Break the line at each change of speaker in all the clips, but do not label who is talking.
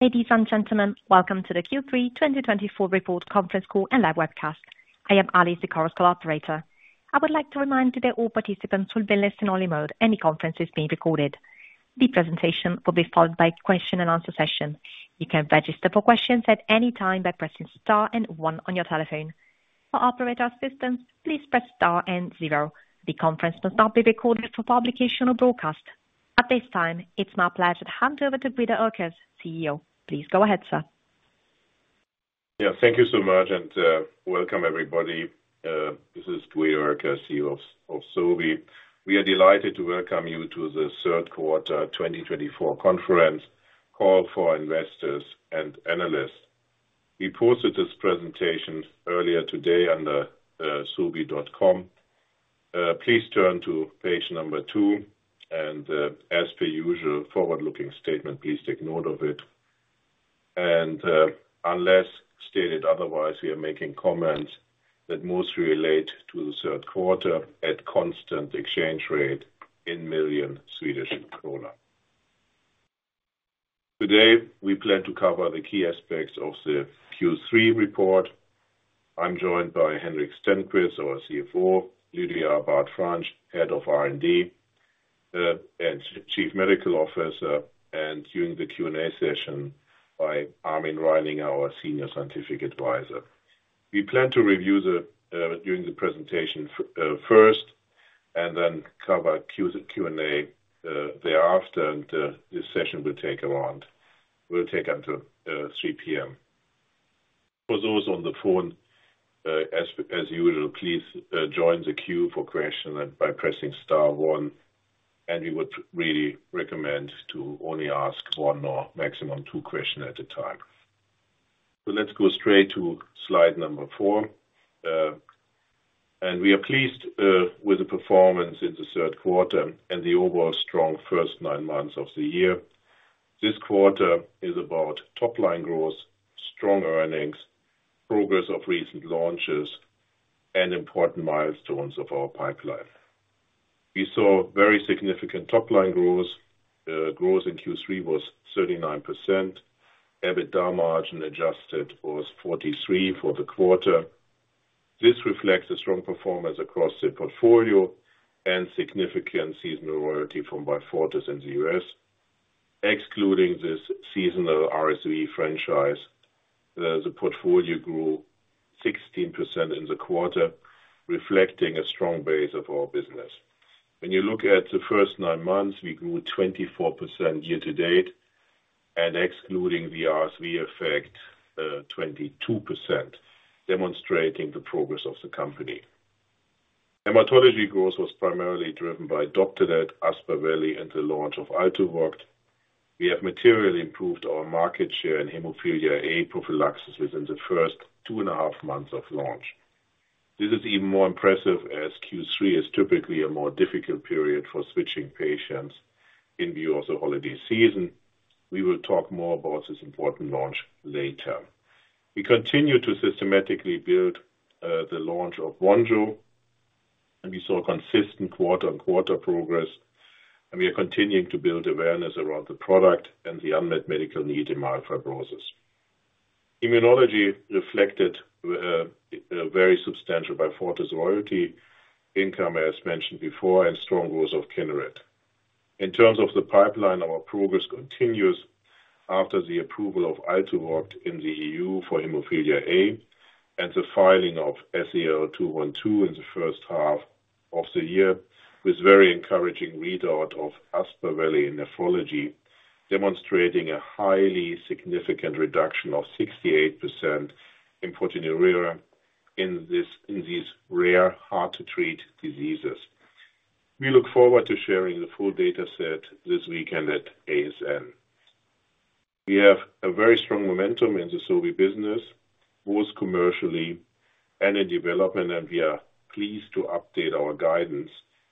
Ladies and gentlemen, welcome to the Q3 2024 report conference call and live webcast. I am Alice, the call operator. I would like to remind today all participants will be listening only mode, any conference is being recorded. The presentation will be followed by question and answer session. You can register for questions at any time by pressing star and one on your telephone. For operator assistance, please press star and zero. The conference must not be recorded for publication or broadcast. At this time, it's my pleasure to hand over to Guido Oelkers, CEO. Please go ahead, sir.
Yeah, thank you so much, and welcome, everybody. This is Guido Oelkers, CEO of Sobi. We are delighted to welcome you to the third quarter twenty twenty-four conference call for investors and analysts. We posted this presentation earlier today on the sobi.com. Please turn to page number two, and as per usual, forward-looking statement, please take note of it. Unless stated otherwise, we are making comments that mostly relate to the third quarter at constant exchange rate in millions Swedish kronor. Today, we plan to cover the key aspects of the Q3 report. I'm joined by Henrik Stenqvist, our CFO, Lydia Abad-Franch, Head of R&D, and Chief Medical Officer, and during the Q&A session by Armin Reining, our Senior Scientific Advisor. We plan to review during the presentation first, and then cover Q&A thereafter, and this session will take up to 3 P.M. For those on the phone, as usual, please join the queue for questions by pressing star one, and we would really recommend to only ask one or maximum two questions at a time. So let's go straight to slide number four. And we are pleased with the performance in the third quarter and the overall strong first nine months of the year. This quarter is about top line growth, strong earnings, progress of recent launches, and important milestones of our pipeline. We saw very significant top line growth. Growth in Q3 was 39%. EBITDA margin adjusted was 43% for the quarter. This reflects a strong performance across the portfolio and significant seasonal royalty from Beyfortus in the US. Excluding this seasonal RSV franchise, the portfolio grew 16% in the quarter, reflecting a strong base of our business. When you look at the first nine months, we grew 24% year to date, and excluding the RSV effect, 22%, demonstrating the progress of the company. Hematology growth was primarily driven by Doptelet, Aspaveli, and the launch of Altuviiio. We have materially improved our market share in hemophilia A prophylaxis within the first two and a half months of launch. This is even more impressive, as Q3 is typically a more difficult period for switching patients in view of the holiday season. We will talk more about this important launch later. We continue to systematically build the launch of Vonjo, and we saw consistent quarter on quarter progress, and we are continuing to build awareness around the product and the unmet medical need in myelofibrosis. Immunology reflected a very substantial Beyfortus royalty income, as mentioned before, and strong growth of Kineret. In terms of the pipeline, our progress continues after the approval of Altuviiio in the EU for hemophilia A and the filing of SEL-212 in the first half of the year, with very encouraging readout of Aspaveli in nephrology, demonstrating a highly significant reduction of 68% in proteinuria in these rare, hard to treat diseases. We look forward to sharing the full data set this weekend at ASN. We have a very strong momentum in the Sobi business, both commercially and in development, and we are pleased to update our guidance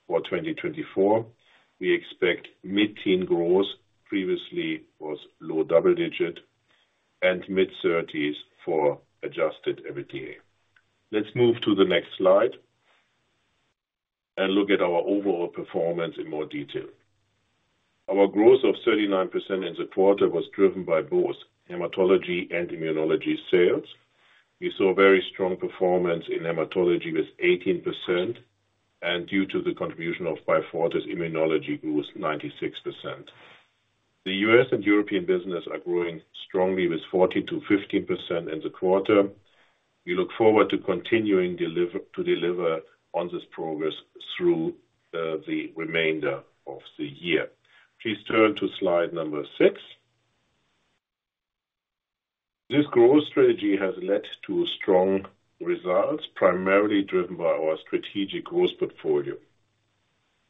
for twenty twenty-four. We expect mid-teen growth, previously was low double digit, and mid-thirties for adjusted EBITDA. Let's move to the next slide and look at our overall performance in more detail. Our growth of 39% in the quarter was driven by both hematology and immunology sales. We saw very strong performance in hematology with 18%, and due to the contribution of Beyfortus, immunology grew 96%. The US and European business are growing strongly, with 40%-50% in the quarter. We look forward to continuing to deliver on this progress through the remainder of the year. Please turn to slide number 6. This growth strategy has led to strong results, primarily driven by our strategic growth portfolio.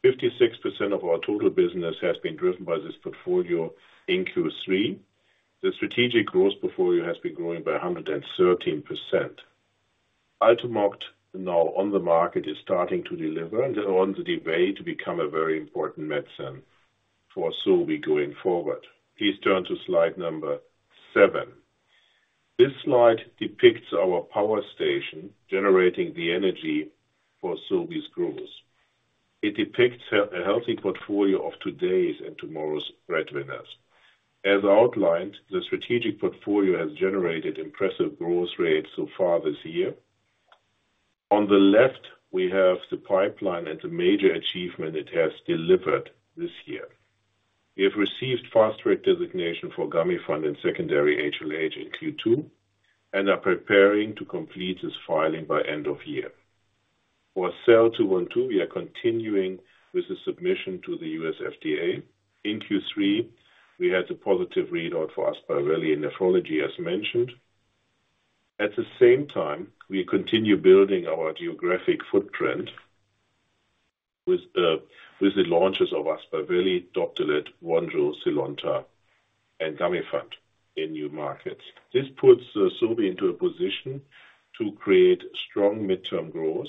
56% of our total business has been driven by this portfolio in Q3. The strategic growth portfolio has been growing by 113%. Altuviiio, now on the market, is starting to deliver and on the way to become a very important medicine for Sobi going forward. Please turn to slide number 7. This slide depicts our power station generating the energy for Sobi's growth. It depicts a healthy portfolio of today's and tomorrow's breadwinners. As outlined, the strategic portfolio has generated impressive growth rates so far this year. On the left, we have the pipeline and the major achievement it has delivered this year. We have received fast track designation for Gamifant and secondary HLH in Q2, and are preparing to complete this filing by end of year. For SEL-212, we are continuing with the submission to the U.S. FDA. In Q3, we had a positive readout for Aspaveli in nephrology, as mentioned. At the same time, we continue building our geographic footprint with the launches of Aspaveli, Doptelet, Vonjo, Zynlonta and Gamifant in new markets. This puts Sobi into a position to create strong midterm growth,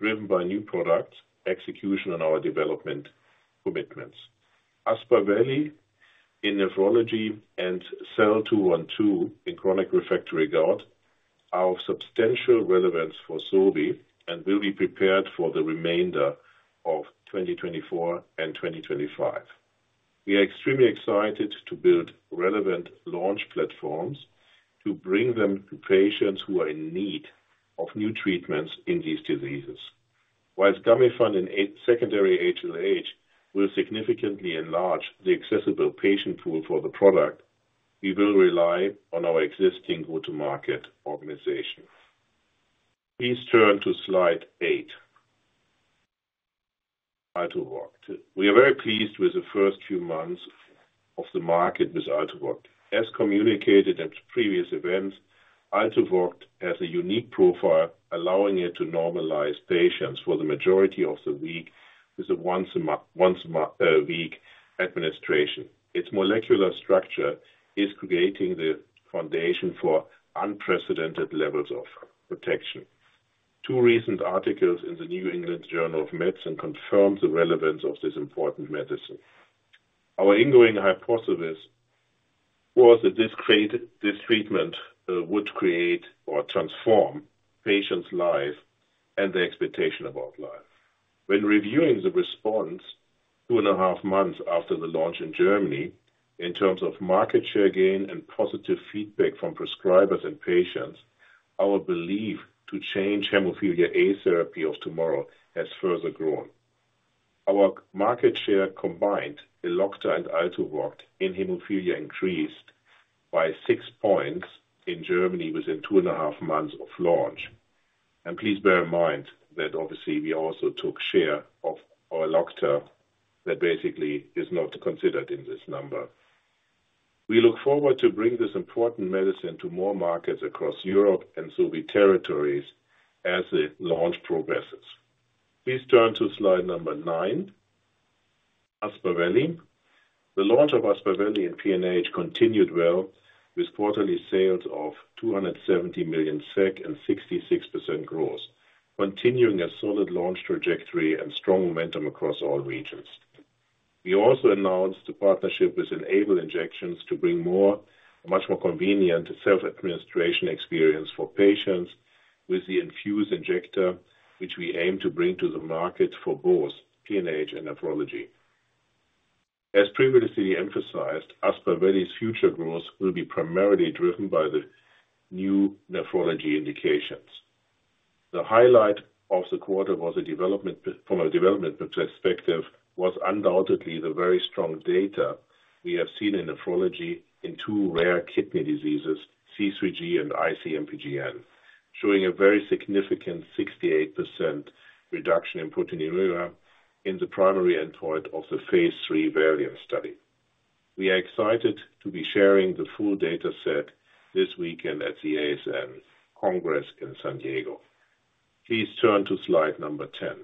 driven by new products, execution on our development commitments. Aspaveli in nephrology and SEL-212 in chronic refractory gout are of substantial relevance for Sobi and will be prepared for the remainder of twenty twenty-four and twenty twenty-five. We are extremely excited to build relevant launch platforms to bring them to patients who are in need of new treatments in these diseases. While Gamifant in secondary HLH will significantly enlarge the accessible patient pool for the product, we will rely on our existing go-to-market organization. Please turn to slide eight. Altuviiio. We are very pleased with the first few months of the market with Altuviiio. As communicated at previous events, Altuviiio has a unique profile, allowing it to normalize patients for the majority of the week, with a once a week administration. Its molecular structure is creating the foundation for unprecedented levels of protection. Two recent articles in the New England Journal of Medicine confirmed the relevance of this important medicine. Our ongoing hypothesis was that this treatment would create or transform patients' life and their expectation about life. When reviewing the response two and a half months after the launch in Germany, in terms of market share gain and positive feedback from prescribers and patients, our belief to change hemophilia A therapy of tomorrow has further grown. Our market share combined, Elocta and Altuviiio, in hemophilia increased by six points in Germany within two and a half months of launch, and please bear in mind that obviously, we also took share of our Elocta, that basically is not considered in this number. We look forward to bring this important medicine to more markets across Europe and Sobi territories as the launch progresses. Please turn to slide 9. Aspaveli. The launch of Aspaveli in PNH continued well, with quarterly sales of 270 million SEK and 66% growth, continuing a solid launch trajectory and strong momentum across all regions. We also announced a partnership with Enable Injections to bring more, a much more convenient self-administration experience for patients with the enFuse injector, which we aim to bring to the market for both PNH and nephrology. As previously emphasized, Aspaveli's future growth will be primarily driven by the new nephrology indications. The highlight of the quarter, from a development perspective, was undoubtedly the very strong data we have seen in nephrology in two rare kidney diseases, C3G and IC-MPGN, showing a very significant 68% reduction in proteinuria in the primary endpoint of the phase III VALIANT study. We are excited to be sharing the full data set this weekend at the ASN Congress in San Diego. Please turn to slide number 10.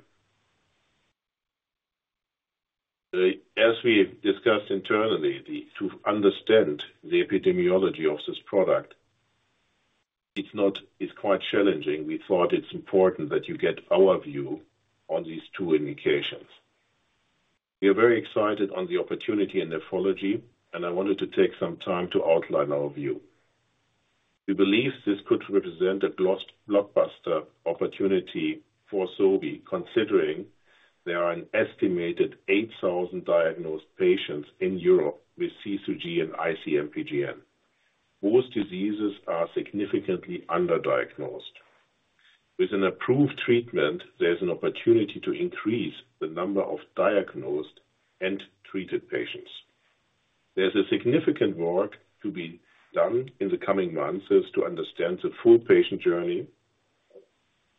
As we discussed internally, to understand the epidemiology of this product, it's not, it's quite challenging. We thought it's important that you get our view on these two indications. We are very excited on the opportunity in nephrology, and I wanted to take some time to outline our view. We believe this could represent a blockbuster opportunity for Sobi, considering there are an estimated eight thousand diagnosed patients in Europe with C3G and IC-MPGN. Both diseases are significantly underdiagnosed. With an approved treatment, there's an opportunity to increase the number of diagnosed and treated patients. There's a significant work to be done in the coming months, is to understand the full patient journey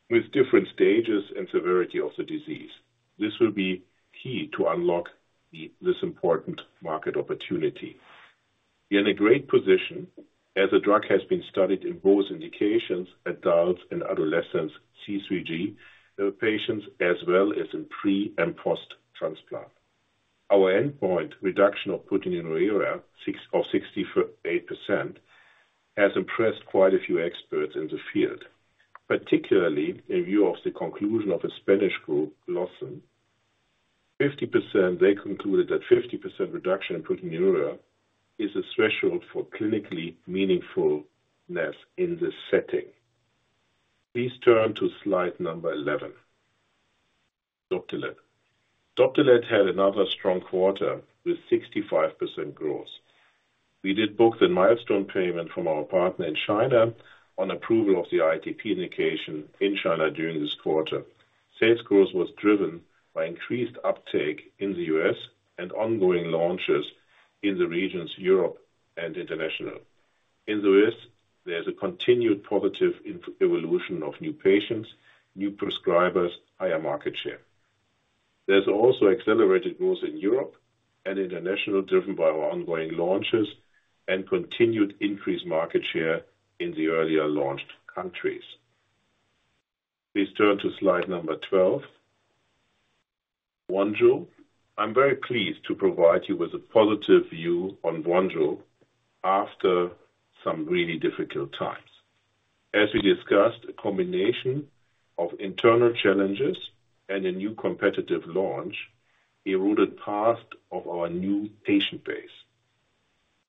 with different stages and severity of the disease. This will be key to unlock the, this important market opportunity. We are in a great position, as the drug has been studied in both indications, adults and adolescents, C3G patients, as well as in pre- and post-transplant. Our endpoint reduction of proteinuria 60 or 68%, has impressed quite a few experts in the field, particularly in view of the conclusion of a Spanish group, GLOSEN. 50%, they concluded that 50% reduction in proteinuria is a threshold for clinically meaningfulness in this setting. Please turn to slide number eleven. Doptelet. Doptelet had another strong quarter with 65% growth. We did book the milestone payment from our partner in China on approval of the ITP indication in China during this quarter. Sales growth was driven by increased uptake in the U.S. and ongoing launches in the regions Europe and international. In the U.S., there's a continued positive inflection of new patients, new prescribers, higher market share. There's also accelerated growth in Europe and international, driven by our ongoing launches and continued increased market share in the earlier launched countries. Please turn to slide number twelve. Vonjo. I'm very pleased to provide you with a positive view on Vonjo after some really difficult times. As we discussed, a combination of internal challenges and a new competitive launch eroded part of our new patient base.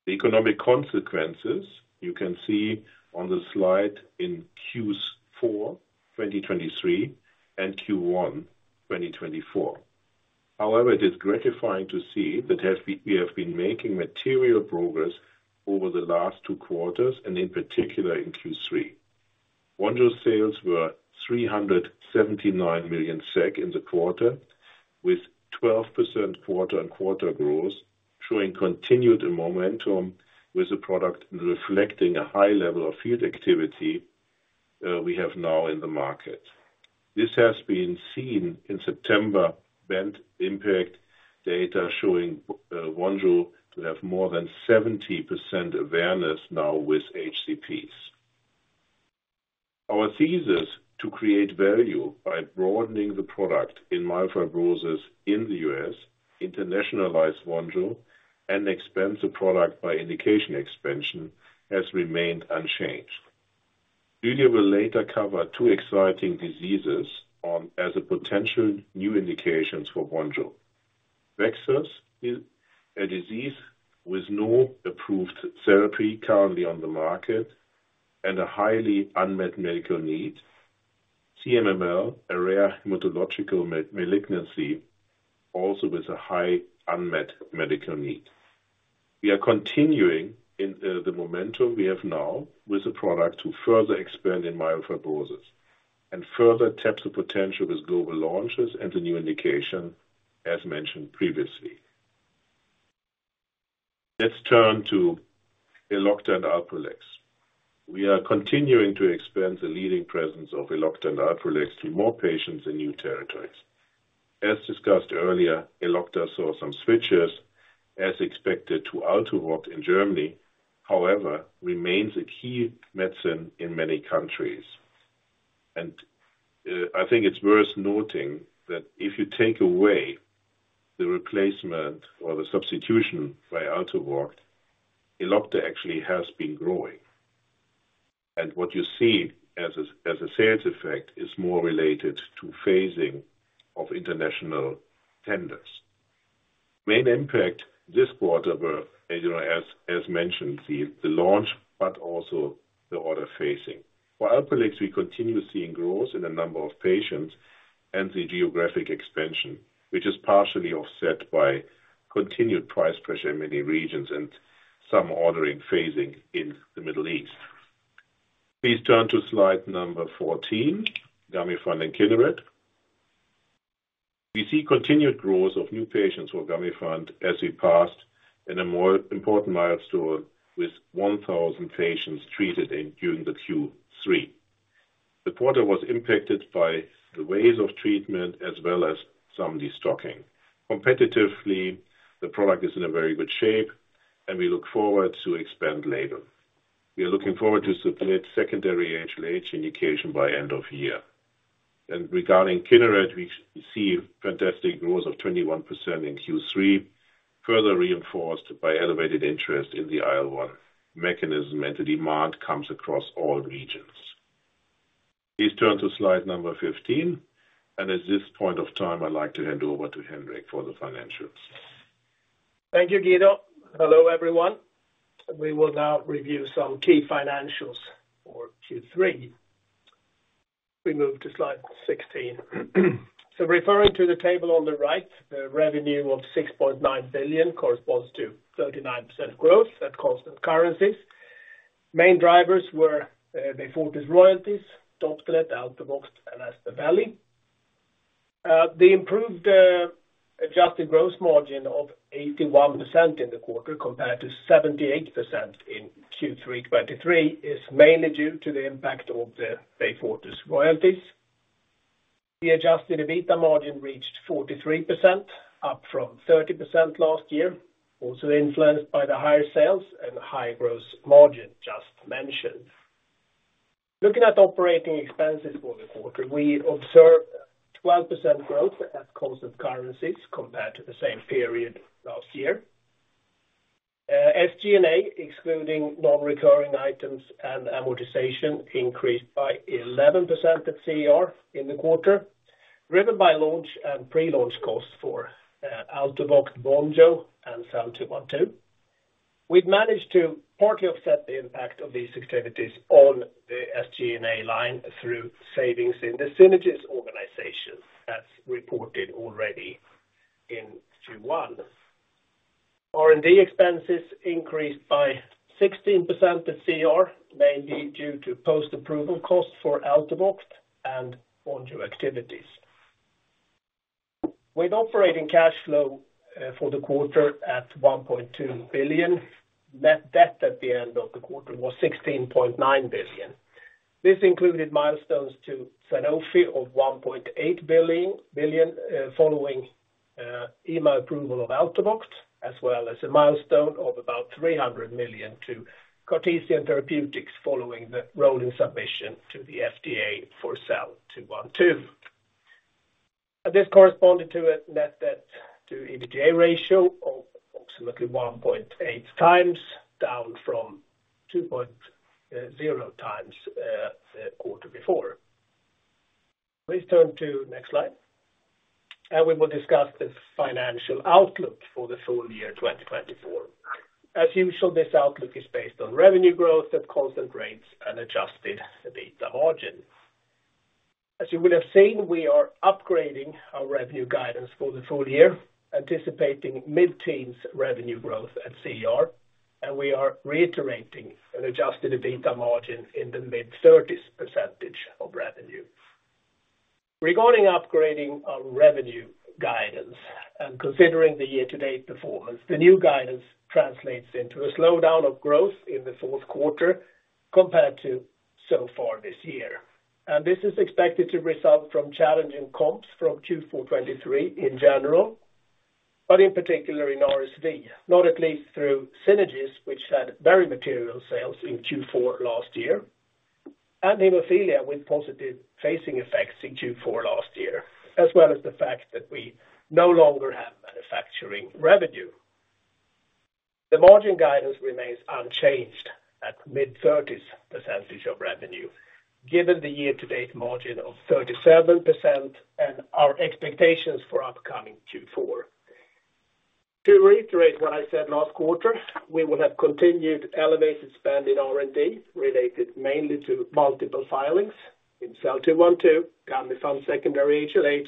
The economic consequences you can see on the slide in Q4 2023 and Q1 2024. However, it is gratifying to see that we have been making material progress over the last two quarters, and in particular in Q3. Vonjo sales were 379 million SEK in the quarter, with 12% quarter-on-quarter growth, showing continued momentum with the product, reflecting a high level of field activity we have now in the market. This has been seen in September event impact data showing Vonjo to have more than 70% awareness now with HCPs. Our thesis to create value by broadening the product in myelofibrosis in the U.S., internationalize Vonjo, and expand the product by indication expansion, has remained unchanged. Julia will later cover two exciting diseases as a potential new indications for Vonjo. VEXAS is a disease with no approved therapy currently on the market and a highly unmet medical need. CMML, a rare hematological malignancy, also with a high unmet medical need. We are continuing in the momentum we have now with the product to further expand in myelofibrosis and further tap the potential with global launches and the new indication as mentioned previously. Let's turn to Elocta and Alprolix. We are continuing to expand the leading presence of Elocta and Alprolix to more patients in new territories. As discussed earlier, Elocta saw some switches, as expected, to Altuviiio in Germany, however, remains a key medicine in many countries. I think it's worth noting that if you take away the replacement or the substitution by Altuviiio, Elocta actually has been growing. What you see as a sales effect is more related to phasing of international tenders. Main impact this quarter were, as mentioned, the launch, but also the order phasing. For Alprolix, we continue seeing growth in the number of patients and the geographic expansion, which is partially offset by continued price pressure in many regions and some ordering phasing in the Middle East. Please turn to slide number 14, Gamifant and Kineret. We see continued growth of new patients for Gamifant as we passed an important milestone with 1,000 patients treated during the Q3. The quarter was impacted by the end of treatment as well as some destocking. Competitively, the product is in a very good shape, and we look forward to expand later. We are looking forward to submit secondary HLH indication by end of year. Regarding Kineret, we see fantastic growth of 21% in Q3, further reinforced by elevated interest in the IL-1 mechanism, and the demand comes across all regions. Please turn to slide number 15, and at this point of time, I'd like to hand over to Henrik for the financials.
Thank you, Guido. Hello, everyone. We will now review some key financials for Q3. We move to slide 16. Referring to the table on the right, the revenue of 6.9 billion corresponds to 39% growth at constant currencies. Main drivers were Beyfortus royalties, Doptelet, Altuviiio, and Aspaveli. The improved adjusted gross margin of 81% in the quarter, compared to 78% in Q3 2023, is mainly due to the impact of the Beyfortus royalties. The adjusted EBITDA margin reached 43%, up from 30% last year, also influenced by the higher sales and high gross margin just mentioned. Looking at operating expenses for the quarter, we observed 12% growth at constant currencies compared to the same period last year. SG&A, excluding non-recurring items and amortization, increased by 11% at CER in the quarter, driven by launch and pre-launch costs for Altuviiio, Vonjo, and SEL-212. We've managed to partly offset the impact of these activities on the SG&A line through savings in the synergies organization, as reported already in Q1. R&D expenses increased by 16% at CER, mainly due to post-approval costs for Altuviiio and Vonjo activities. With operating cash flow for the quarter at 1.2 billion, net debt at the end of the quarter was 16.9 billion. This included milestones to Sanofi of 1.8 billion following EMA approval of Altuviiio, as well as a milestone of about 300 million to Cartesian Therapeutics, following the rolling submission to the FDA for SEL-212. This corresponded to a net debt to EBITDA ratio of approximately 1.8 times, down from 2.0 times, the quarter before. Please turn to next slide, and we will discuss the financial outlook for the full year 2024. As usual, this outlook is based on revenue growth at constant rates and adjusted EBITDA margin. As you will have seen, we are upgrading our revenue guidance for the full year, anticipating mid-teens revenue growth at CER, and we are reiterating an adjusted EBITDA margin in the mid-thirties % of revenue. Regarding upgrading our revenue guidance and considering the year-to-date performance, the new guidance translates into a slowdown of growth in the fourth quarter compared to so far this year. This is expected to result from challenging comps from Q4 2023 in general, but in particular in RSV, not least through Synagis, which had very material sales in Q4 last year, and hemophilia, with positive pricing effects in Q4 last year, as well as the fact that we no longer have manufacturing revenue. The margin guidance remains unchanged at mid-30s% of revenue, given the year-to-date margin of 37% and our expectations for upcoming Q4. To reiterate what I said last quarter, we will have continued elevated spend in R&D, related mainly to multiple filings in SEL-212, Gamifant secondary HLH,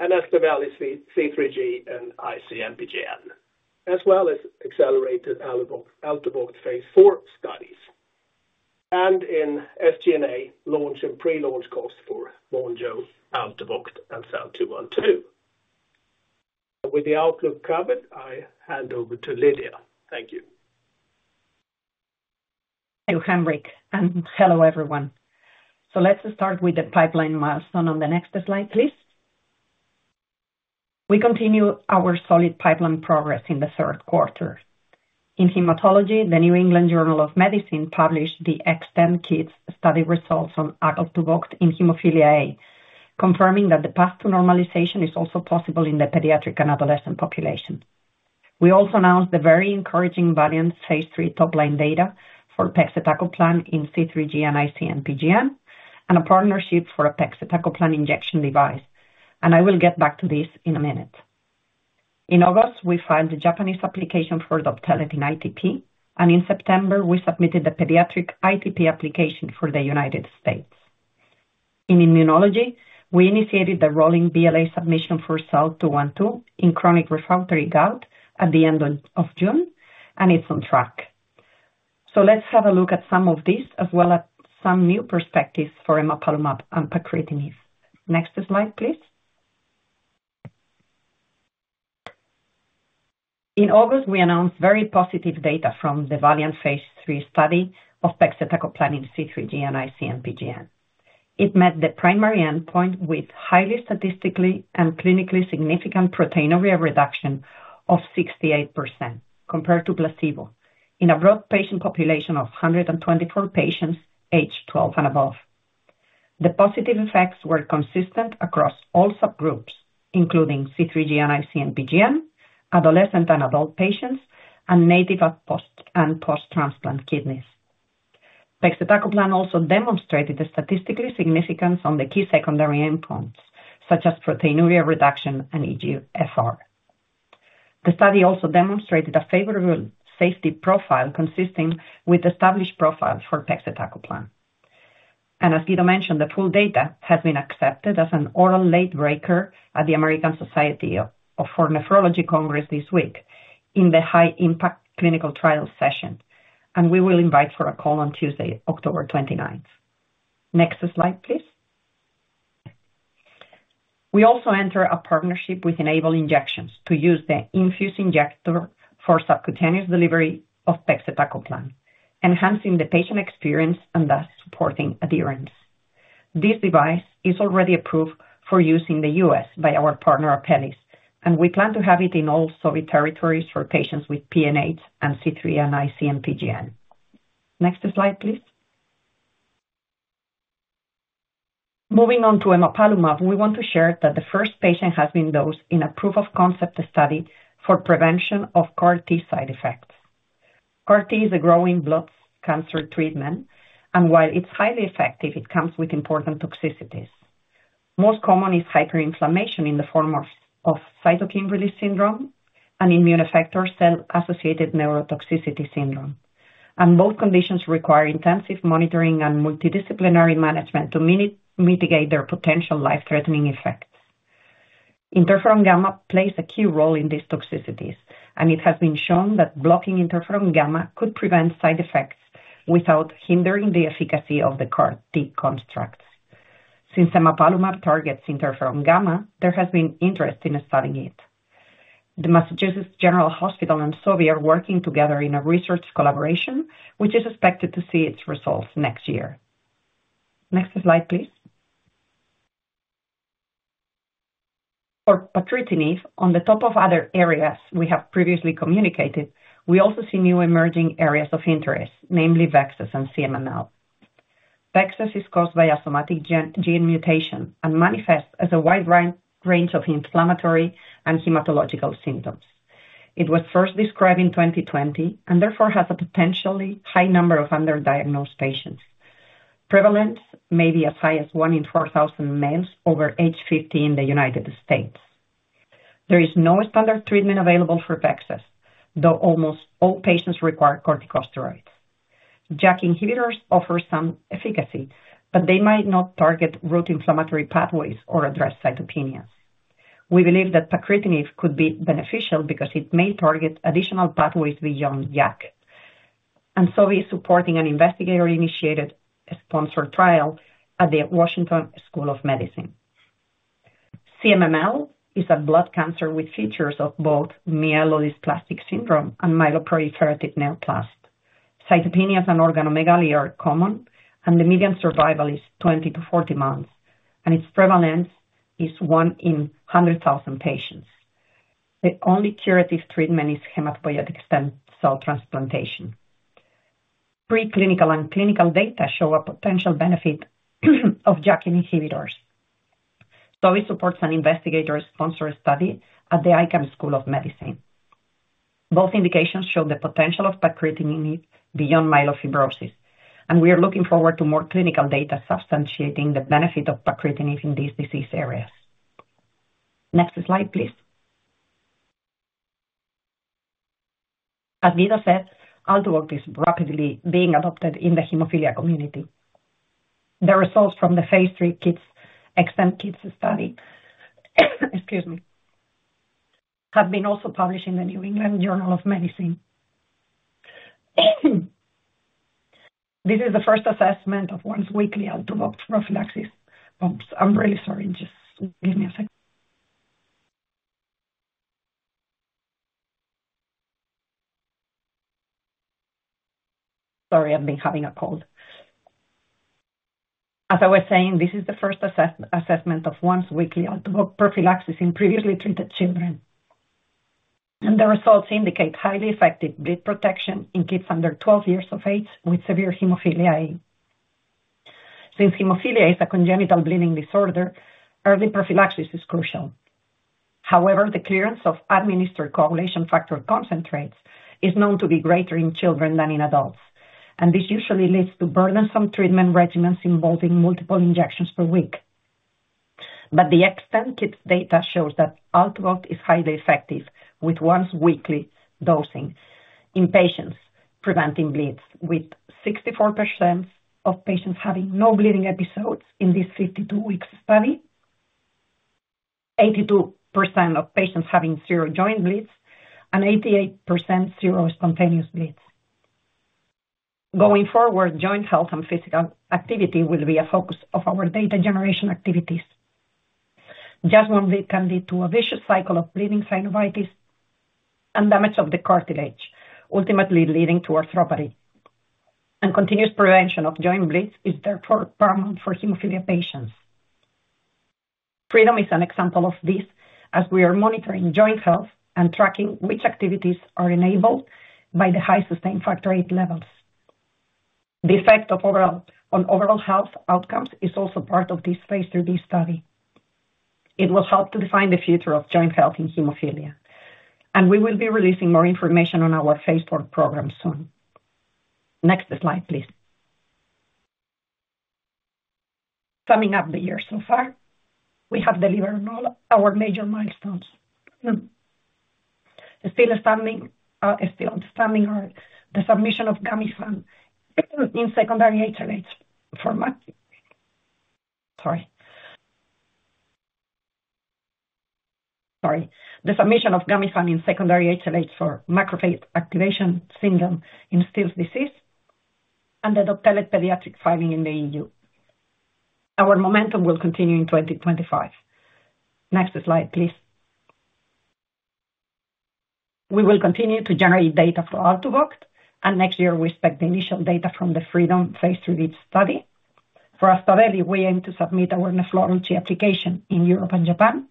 and Aspaveli C3G and IC-MPGN, as well as accelerated Altuviiio phase IV studies, and in SG&A, launch and pre-launch costs for Vonjo, Altuviiio, and SEL-212. With the outlook covered, I hand over to Lydia. Thank you.
Thank you, Henrik, and hello, everyone. So let's start with the pipeline milestone on the next slide, please. We continue our solid pipeline progress in the third quarter. In hematology, the New England Journal of Medicine published the XTEND-Kids study results on Altuviiio in hemophilia A, confirming that the path to normalization is also possible in the pediatric and adolescent population. We also announced the very encouraging Valiant phase III topline data for pegcetacoplan in C3G and IC-MPGN, and a partnership for a pegcetacoplan injection device, and I will get back to this in a minute. In August, we filed the Japanese application for Doptelet in ITP, and in September, we submitted the pediatric ITP application for the United States. In immunology, we initiated the rolling BLA submission for SEL-212 in chronic refractory gout at the end of June, and it's on track. Let's have a look at some of these, as well as some new perspectives for emapalumab and pacritinib. Next slide, please. In August, we announced very positive data from the VALIANT phase III study of pegcetacoplan in C3G and IC-MPGN. It met the primary endpoint with highly statistically and clinically significant proteinuria reduction of 68% compared to placebo in a broad patient population of 124 patients, age 12 and above. The positive effects were consistent across all subgroups, including C3G and IC-MPGN, adolescent and adult patients, and native and post-transplant kidneys. Pegcetacoplan also demonstrated a statistically significant on the key secondary endpoints, such as proteinuria reduction and eGFR. The study also demonstrated a favorable safety profile, consistent with established profile for pegcetacoplan. As Guido mentioned, the full data has been accepted as an oral late breaker at the American Society of Nephrology Congress this week in the high impact clinical trial session, and we will invite for a call on Tuesday, October twenty-ninth. Next slide, please. We also enter a partnership with Enable Injections to use the enFuse injector for subcutaneous delivery of pegcetacoplan, enhancing the patient experience and thus supporting adherence. This device is already approved for use in the U.S. by our partner, Apellis, and we plan to have it in all Sobi territories for patients with PNH and C3G and IC-MPGN. Next slide, please. Moving on to emapalumab, we want to share that the first patient has been dosed in a proof of concept study for prevention of CAR-T side effects. CAR-T is a growing blood cancer treatment, and while it's highly effective, it comes with important toxicities. Most common is hyperinflammation in the form of cytokine release syndrome and immune effector cell-associated neurotoxicity syndrome, and both conditions require intensive monitoring and multidisciplinary management to mitigate their potential life-threatening effects. Interferon gamma plays a key role in these toxicities, and it has been shown that blocking interferon gamma could prevent side effects without hindering the efficacy of the CAR-T constructs. Since emapalumab targets interferon gamma, there has been interest in studying it. The Massachusetts General Hospital and Sobi are working together in a research collaboration, which is expected to see its results next year. Next slide, please. For pacritinib, on the top of other areas we have previously communicated, we also see new emerging areas of interest, namely VEXAS and CMML. VEXAS is caused by a somatic gene mutation and manifests as a wide range of inflammatory and hematological symptoms. It was first described in 2020, and therefore has a potentially high number of underdiagnosed patients. Prevalence may be as high as one in 4,000 males over age 50 in the United States. There is no standard treatment available for VEXAS, though almost all patients require corticosteroids. JAK inhibitors offer some efficacy, but they might not target root inflammatory pathways or address cytopenias. We believe that pacritinib could be beneficial because it may target additional pathways beyond JAK. Sobi is supporting an investigator-initiated sponsored trial at the Washington University School of Medicine. CMML is a blood cancer with features of both myelodysplastic syndrome and myeloproliferative neoplasm. Cytopenias and organomegaly are common, and the median survival is 20-40 months, and its prevalence is 1 in 100,000 patients. The only curative treatment is hematopoietic stem cell transplantation. Preclinical and clinical data show a potential benefit of JAK inhibitors. Sobi supports an investigator-sponsored study at the Icahn School of Medicine. Both indications show the potential of pacritinib beyond myelofibrosis, and we are looking forward to more clinical data substantiating the benefit of pacritinib in these disease areas. Next slide, please. As said, Altuviiio is rapidly being adopted in the hemophilia community. The results from the phase 3 Kids XTEND-Kids study, excuse me, have been also published in the New England Journal of Medicine. This is the first assessment of once-weekly Altuviiio prophylaxis. Oops, I'm really sorry. Just give me a second. Sorry, I've been having a cold. As I was saying, this is the first assessment of once-weekly Altuviiio prophylaxis in previously treated children. And the results indicate highly effective bleed protection in kids under 12 years of age with severe hemophilia A. Since hemophilia is a congenital bleeding disorder, early prophylaxis is crucial. However, the clearance of administered coagulation factor concentrates is known to be greater in children than in adults, and this usually leads to burdensome treatment regimens involving multiple injections per week. But the extended data shows that Altuviiio is highly effective, with once-weekly dosing in patients preventing bleeds, with 64% of patients having no bleeding episodes in this 52-week study, 82% of patients having zero joint bleeds, and 88% zero spontaneous bleeds. Going forward, joint health and physical activity will be a focus of our data generation activities. Just one bleed can lead to a vicious cycle of bleeding synovitis and damage of the cartilage, ultimately leading to arthropathy. Continuous prevention of joint bleeds is therefore paramount for hemophilia patients. Freedom is an example of this, as we are monitoring joint health and tracking which activities are enabled by the high sustained factor VIII levels. The effect of overall, on overall health outcomes is also part of this phase III study. It will help to define the future of joint health in hemophilia, and we will be releasing more information on our phase IV program soon. Next slide, please. Summing up the year so far, we have delivered on all our major milestones. Still standing on the submission of Gamifant in secondary HLH. The submission of Gamifant in secondary HLH for macrophage activation syndrome in Still's disease and the Doptelet pediatric filing in the EU. Our momentum will continue in 2025. Next slide, please. We will continue to generate data for Altuviiio, and next year we expect the initial data from the Freedom phase III study. For Aspaveli, we aim to submit our nephrology application in Europe and Japan....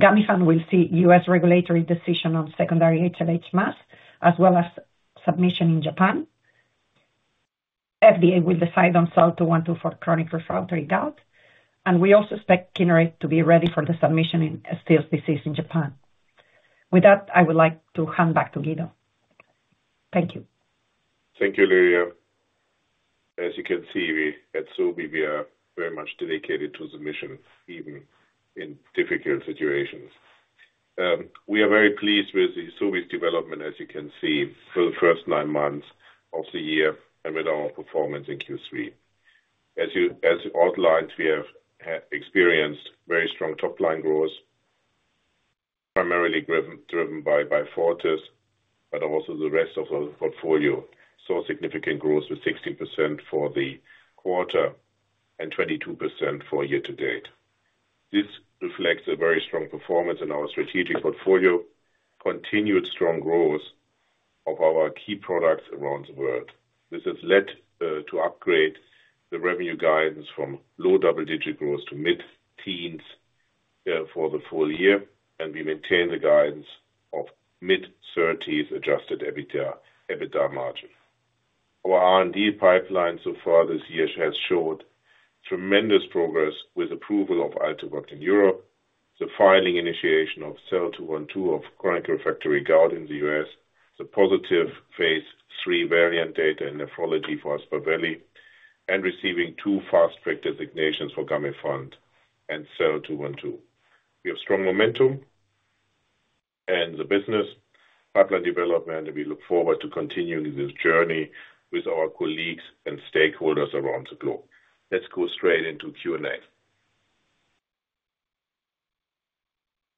Gamifant will see U.S. regulatory decision on secondary HLH MAS, as well as submission in Japan. FDA will decide on SEL-212 for chronic refractory gout, and we also expect Kineret to be ready for the submission in CAPS disease in Japan. With that, I would like to hand back to Guido. Thank you.
Thank you, Lydia. As you can see, we, at Sobi, we are very much dedicated to the mission, even in difficult situations. We are very pleased with Sobi's development, as you can see, for the first nine months of the year and with our performance in Q3. As you, as outlined, we have experienced very strong top line growth, primarily driven by Beyfortus, but also the rest of the portfolio saw significant growth with 16% for the quarter and 22% for year to date. This reflects a very strong performance in our strategic portfolio, continued strong growth of our key products around the world. This has led to upgrade the revenue guidance from low double digit growth to mid-teens for the full year, and we maintain the guidance of mid-thirties adjusted EBITDA margin. Our R&D pipeline so far this year has showed tremendous progress with approval of Altuviiio in Europe, the filing initiation of SEL-212 for chronic refractory gout in the U.S., the positive phase three topline data in nephrology for Aspaveli, and receiving two fast track designations for Gamifant and SEL-212. We have strong momentum and the business pipeline development, and we look forward to continuing this journey with our colleagues and stakeholders around the globe. Let's go straight into Q&A.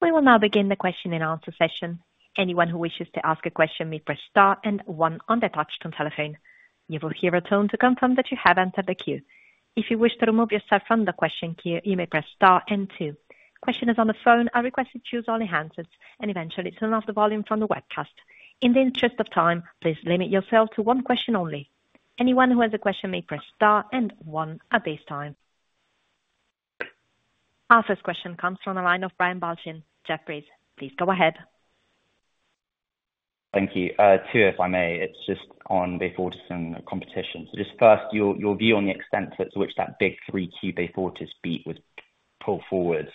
We will now begin the question and answer session. Anyone who wishes to ask a question may press star and one on their touch tone telephone. You will hear a tone to confirm that you have entered the queue. If you wish to remove yourself from the question queue, you may press star and two. Questioners on the phone are requested to use only hand lifts and eventually turn off the volume from the webcast. In the interest of time, please limit yourself to one question only. Anyone who has a question may press star and one at this time. Our first question comes from the line of Brian Balchin, Jefferies. Please go ahead.
Thank you. Two, if I may. It's just on Beyfortus and competition. So just first, your view on the extent to which that big 3Q Beyfortus beat was pulled forward.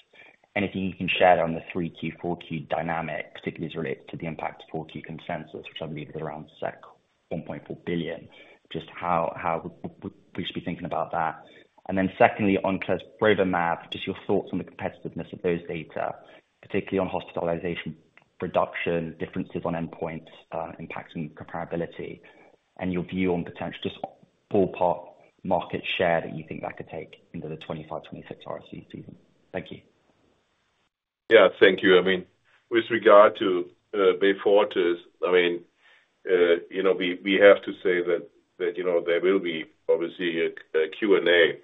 Anything you can share on the 3Q, 4Q dynamic, particularly as it relates to the impact of 4Q consensus, which I believe is around 1.4 billion? Just how we should be thinking about that. And then secondly, on clesrovimab, just your thoughts on the competitiveness of those data, particularly on hospitalization reduction, differences on endpoints, impact and comparability, and your view on potential full path market share that you think that could take into the 2025, 2026 RSV season. Thank you.
Yeah, thank you. I mean, with regard to Beyfortus, I mean, you know, we have to say that, you know, there will be obviously a Q&A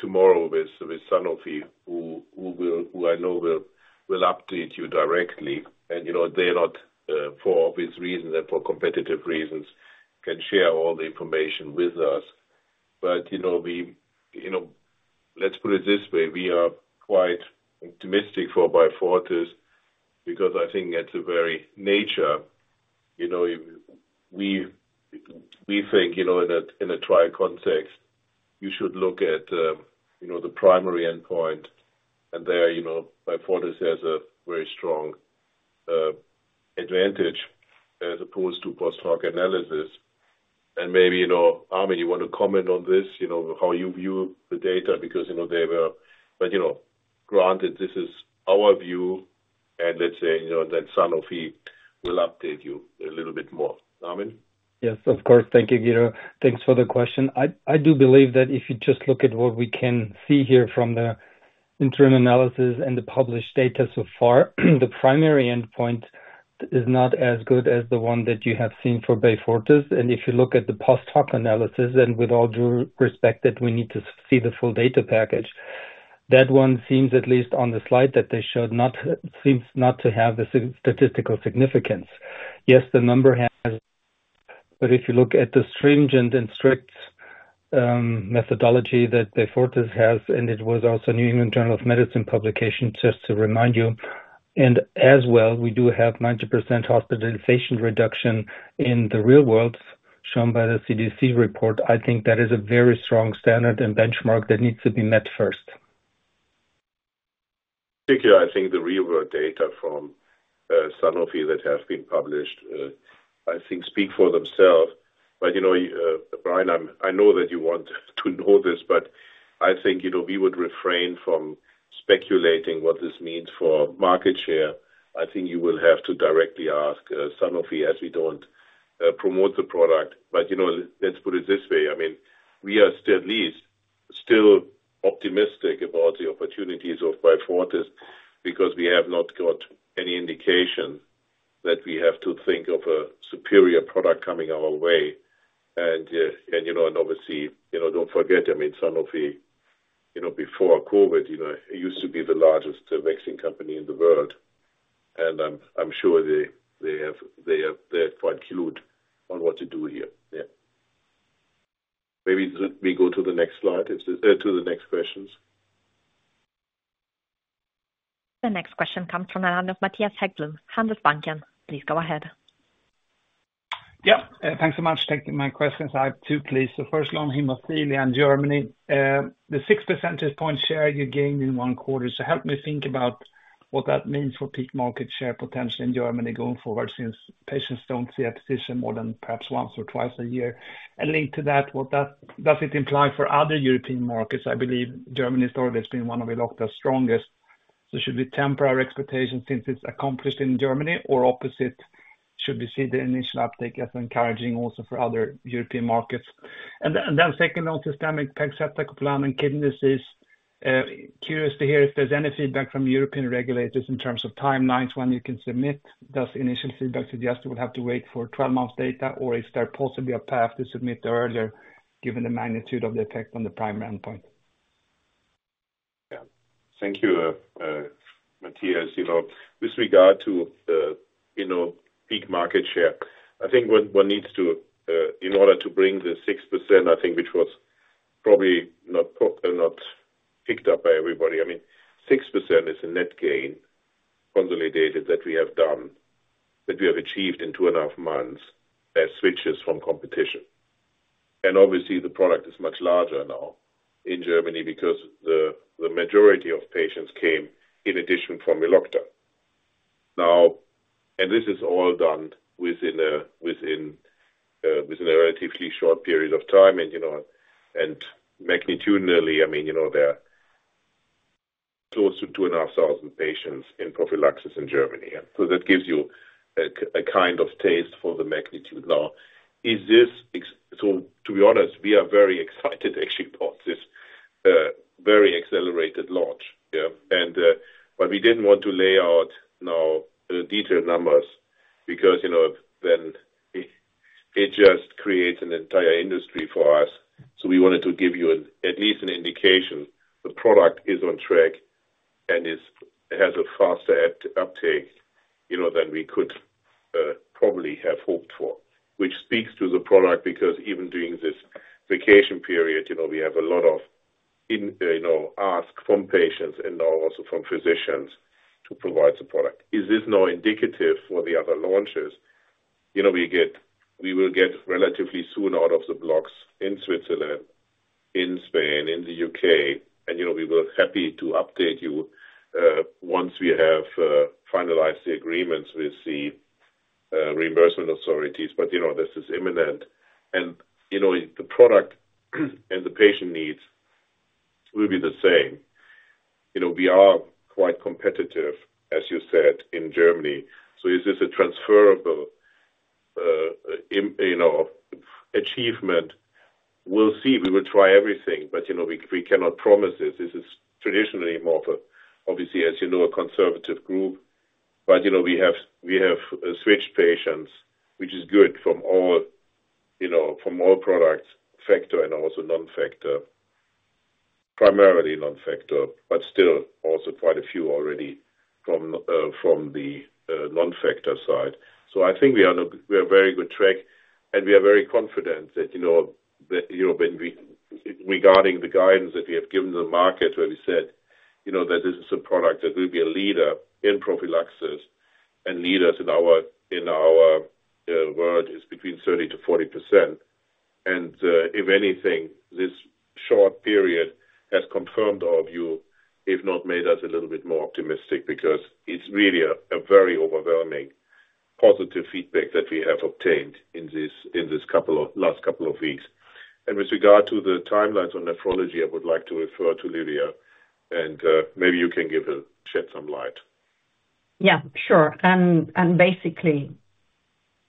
tomorrow with Sanofi, who will, who I know will update you directly. And, you know, they're not, for obvious reasons and for competitive reasons, can share all the information with us. But, you know, we, you know, let's put it this way, we are quite optimistic for Beyfortus, because I think it's a very mature. You know, we think, you know, in a trial context, you should look at the primary endpoint, and there, you know, Beyfortus has a very strong advantage as opposed to post hoc analysis. Maybe, you know, Armin, you want to comment on this, you know, how you view the data? Because, you know, but granted, this is our view, and let's say, you know, that Sanofi will update you a little bit more. Armin?
Yes, of course. Thank you, Guido. Thanks for the question. I do believe that if you just look at what we can see here from the interim analysis and the published data so far, the primary endpoint is not as good as the one that you have seen for Beyfortus. And if you look at the post hoc analysis, and with all due respect, that we need to see the full data package, that one seems, at least on the slide that they showed, seems not to have the statistical significance. Yes, the number has, but if you look at the stringent and strict methodology that Beyfortus has, and it was also a New England Journal of Medicine publication, just to remind you, and as well, we do have 90% hospitalization reduction in the real world, shown by the CDC report. I think that is a very strong standard and benchmark that needs to be met first.
Particularly, I think the real world data from Sanofi that have been published, I think speak for themselves. But, you know, Brian, I'm, I know that you want to know this, but I think, you know, we would refrain from speculating what this means for market share. I think you will have to directly ask Sanofi, as we don't promote the product. But, you know, let's put it this way, I mean, we are still at least still optimistic about the opportunities of Beyfortus, because we have not got any indication that we have to think of a superior product coming our way. And, you know, and obviously, you know, don't forget, I mean, Sanofi, you know, before COVID, you know, it used to be the largest vaccine company in the world. I'm sure they have. They're quite clued on what to do here. Yeah. Maybe let me go to the next slide to the next questions.
The next question comes from the line of Mattias Häggblom, Handelsbanken. Please go ahead.
Yeah, thanks so much taking my questions. I have two, please. The first on hemophilia in Germany, the six percentage point share you gained in one quarter. So help me think about what that means for peak market share potential in Germany going forward, since patients don't see a physician more than perhaps once or twice a year. And linked to that, what that does it imply for other European markets? I believe Germany's always been one of the strongest. So should we temper our expectations since it's accomplished in Germany, or opposite, should we see the initial uptake as encouraging also for other European markets? And then second, on systemic pegcetacoplan and kidney disease, curious to hear if there's any feedback from European regulators in terms of timelines, when you can submit. Does initial feedback suggest you will have to wait for twelve months data, or is there possibly a path to submit earlier, given the magnitude of the effect on the primary endpoint?
Yeah. Thank you, Matthias. You know, with regard to the, you know, peak market share, I think what one needs to in order to bring the 6%, I think, which was probably not picked up by everybody. I mean, 6% is a net gain consolidated that we have done, that we have achieved in two and a half months as switches from competition. And obviously, the product is much larger now in Germany because the majority of patients came in addition from Elocta. Now, and this is all done within a within a relatively short period of time. And, you know, and magnitudinally, I mean, you know, there are close to two and a half thousand patients in prophylaxis in Germany. And so that gives you a kind of taste for the magnitude. Now, is this so to be honest, we are very excited actually about this very accelerated launch. Yeah. But we didn't want to lay out now the detailed numbers because, you know, then it just creates an entire industry for us. So we wanted to give you at least an indication the product is on track and it has a faster uptake, you know, than we could probably have hoped for. Which speaks to the product, because even during this vacation period, you know, we have a lot of interest, you know, asks from patients and now also from physicians to provide the product. Is this now indicative for the other launches? You know, we will get relatively soon out of the blocks in Switzerland, in Spain, in the U.K., and, you know, we were happy to update you once we have finalized the agreements with the reimbursement authorities. But, you know, this is imminent and, you know, the product and the patient needs will be the same. You know, we are quite competitive, as you said, in Germany. So is this a transferable, you know, achievement? We'll see. We will try everything, but, you know, we cannot promise this. This is traditionally more for, obviously, as you know, a conservative group. But, you know, we have switched patients, which is good from all, you know, from all products, factor and also non-factor. Primarily non-factor, but still also quite a few already from the non-factor side. I think we are on a very good track, and we are very confident that, you know, regarding the guidance that we have given the market, where we said, you know, that this is a product that will be a leader in prophylaxis and leaders in our world is between 30%-40%. And if anything, this short period has confirmed our view, if not made us a little bit more optimistic, because it's really a very overwhelming positive feedback that we have obtained in this last couple of weeks. And with regard to the timelines on nephrology, I would like to refer to Lydia, and maybe you can shed some light.
Yeah, sure. And basically,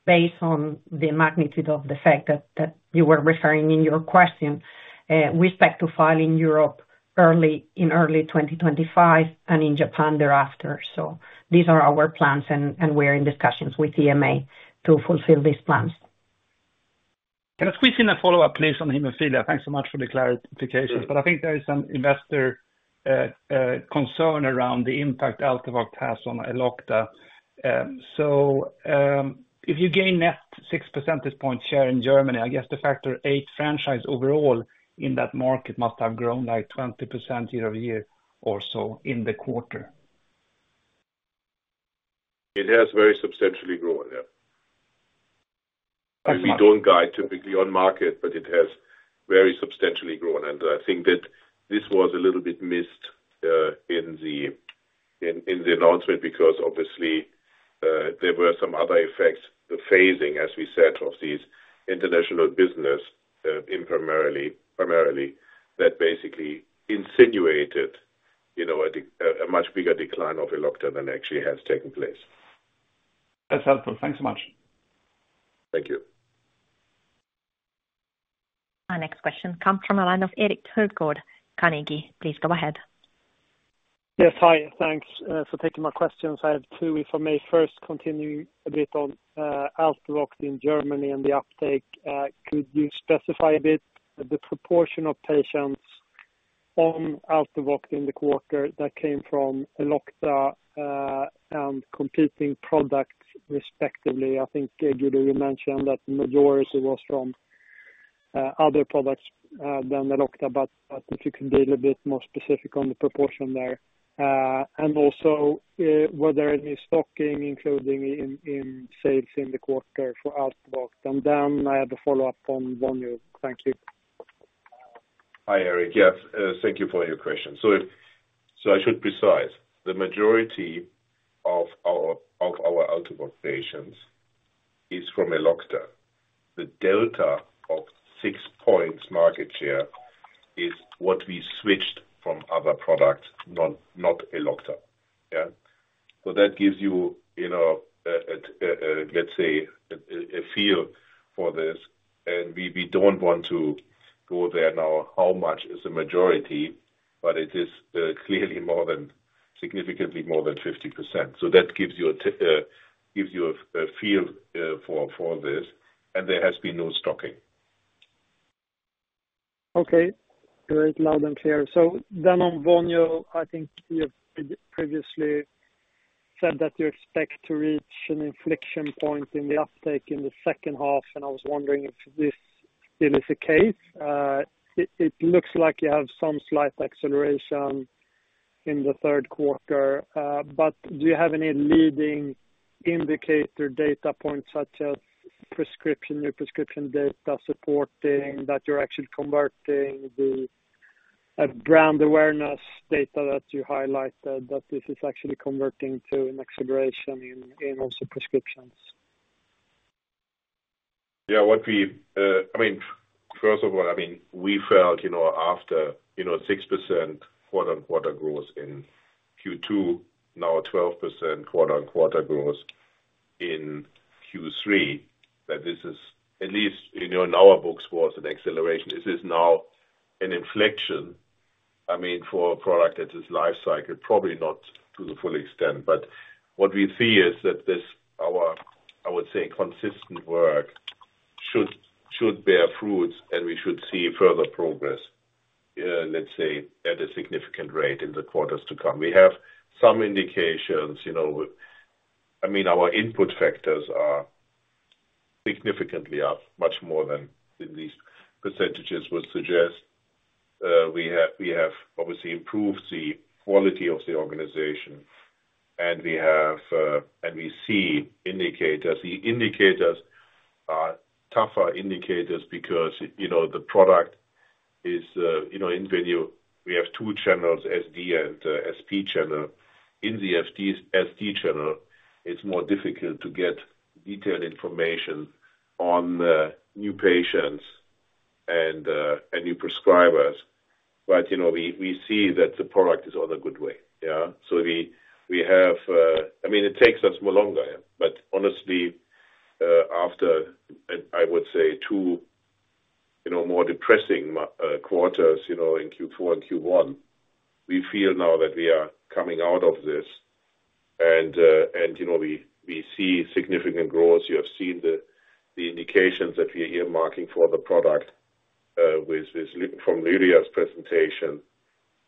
based on the magnitude of the fact that you were referring in your question, we expect to file in Europe early in 2025 and in Japan thereafter. So these are our plans, and we're in discussions with EMA to fulfill these plans.
Can I squeeze in a follow-up, please, on hemophilia? Thanks so much for the clarifications, but I think there is some investor concern around the impact Altuviiio has on Elocta. So, if you gain net six percentage point share in Germany, I guess the Factor VIII franchise overall in that market must have grown by 20% year over year or so in the quarter.
It has very substantially grown, yeah. We don't guide typically on market, but it has very substantially grown, and I think that this was a little bit missed in the announcement, because obviously there were some other effects, the phasing, as we said, of these international business in primarily that basically insinuated, you know, a much bigger decline of Elocta than actually has taken place.
That's helpful. Thanks so much.
Thank you.
Our next question comes from a line of Erik Hultgård, Carnegie. Please go ahead.
Yes. Hi, thanks for taking my questions. I have two, if I may. First, continue a bit on Altuviiio in Germany and the uptake. Could you specify a bit the proportion of patients... on Altuviiio in the quarter that came from Elocta, and competing products respectively. I think, Guido, you mentioned that the majority was from other products than the Elocta, but if you can be a little bit more specific on the proportion there. And also, whether any stocking including in sales in the quarter for Altuviiio. And then I have a follow-up on Vonjo. Thank you.
Hi, Erik. Yes, thank you for your question. So I should specify, the majority of our Altovoc patients is from Elocta. The delta of six points market share is what we switched from other products, not Elocta. Yeah. So that gives you, you know, let's say, a feel for this, and we don't want to go there now, how much is a majority, but it is clearly more than, significantly more than 50%. So that gives you a feel for this, and there has been no stocking.
Okay. Great, loud and clear. So then on Vonjo, I think you've previously said that you expect to reach an inflection point in the uptake in the second half, and I was wondering if this still is the case. It looks like you have some slight acceleration in the third quarter, but do you have any leading indicator data points, such as prescription, new prescription data, supporting that you're actually converting the brand awareness data that you highlighted, that this is actually converting to an acceleration in also prescriptions?
Yeah. What we, I mean, first of all, I mean, we felt, you know, after, you know, 6% quarter-on-quarter growth in Q2, now 12% quarter-on-quarter growth in Q3, that this is at least, you know, in our books, was an acceleration. This is now an inflection, I mean, for a product that is life cycle, probably not to the full extent. But what we see is that this, our, I would say, consistent work should bear fruits, and we should see further progress, let's say, at a significant rate in the quarters to come. We have some indications, you know, I mean, our input factors are significantly up, much more than these percentages would suggest. We have obviously improved the quality of the organization, and we see indicators. The indicators are tougher indicators because, you know, the product is, you know, in Europe, we have two channels, SD and SP channel. In the FD-SD channel, it's more difficult to get detailed information on new patients and new prescribers. But, you know, we see that the product is on a good way. Yeah. So we have, I mean, it takes us more longer, but honestly, after I would say two, you know, more depressing quarters, you know, in Q4 and Q1, we feel now that we are coming out of this and, you know, we see significant growth. You have seen the indications that we are highlighting for the product with from Lydia's presentation,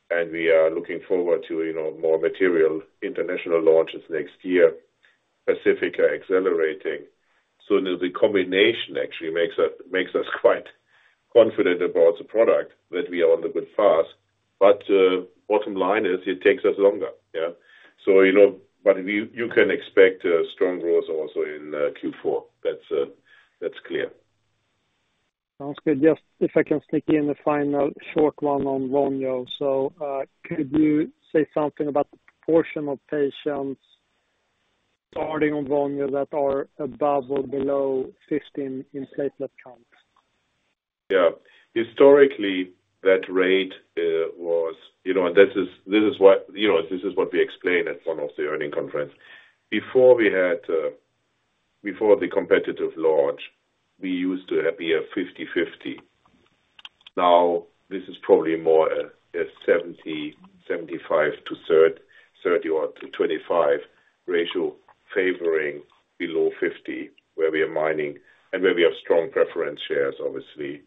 and we are looking forward to, you know, more material international launches next year. The pace is accelerating. The combination actually makes us quite confident about the product that we are on a good path, but bottom line is it takes us longer. Yeah. You know, but you can expect strong growth also in Q4. That's clear.
Sounds good. Just if I can sneak in a final short one on Vonjo. So, could you say something about the proportion of patients starting on Vonjo that are above or below 15 in platelet counts?
Yeah. Historically, that rate was, you know, and this is, this is what, you know, this is what we explained at one of the earnings conference. Before we had, before the competitive launch, we used to have a fifty/fifty. Now, this is probably more a, a seventy, seventy-five to thirty or to twenty-five ratio favoring below fifty, where we are mining and where we have strong preference shares, obviously.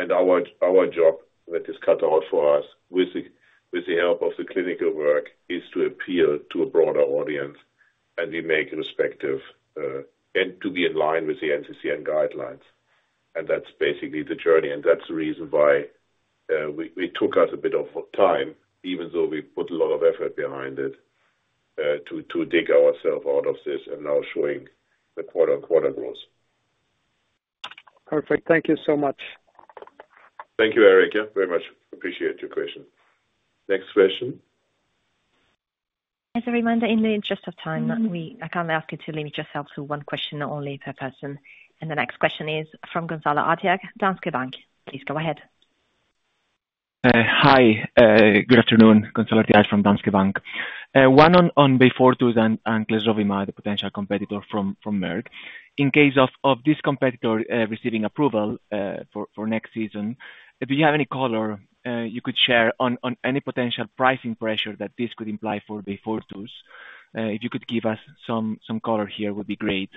Our job, that is cut out for us with the help of the clinical work, is to appeal to a broader audience, and we make respective, and to be in line with the NCCN guidelines. That's basically the journey, and that's the reason why it took us a bit of time, even though we put a lot of effort behind it, to dig ourselves out of this and now showing the quarter on quarter growth.
Perfect. Thank you so much.
Thank you, Erik. Yeah, very much appreciate your question. Next question?
As a reminder, in the interest of time, I kindly ask you to limit yourself to one question only per person. And the next question is from Gonzalo Artiach, Danske Bank. Please go ahead.
Hi, good afternoon. Gonzalo Artiach from Danske Bank. One on Beyfortus and Nirsevimab, the potential competitor from Merck. In case of this competitor receiving approval for next season, do you have any color you could share on any potential pricing pressure that this could imply for Beyfortus? If you could give us some color here, would be great.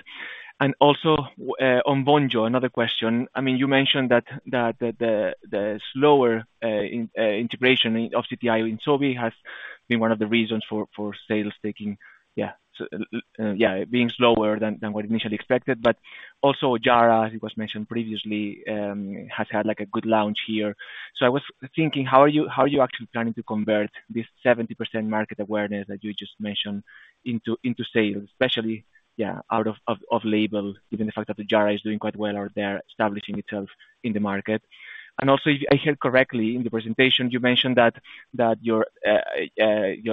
And also on Vonjo, another question. I mean, you mentioned that the slower integration of CTI in Sobi has been one of the reasons for sales taking yeah so yeah being slower than what initially expected. But also the Ojjaara, it was mentioned previously, has had like a good launch here. So I was thinking, how are you actually planning to convert this 70% market awareness that you just mentioned into sales, especially off-label, given the fact that the Jakafi is doing quite well or they're establishing itself in the market? And also, if I heard correctly in the presentation, you mentioned that your